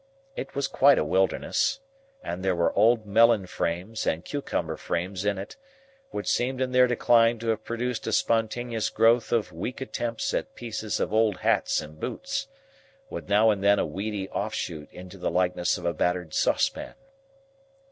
It was quite a wilderness, and there were old melon frames and cucumber frames in it, which seemed in their decline to have produced a spontaneous growth of weak attempts at pieces of old hats and boots, with now and then a weedy offshoot into the likeness of a battered saucepan.